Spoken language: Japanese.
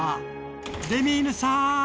レミーヌさん！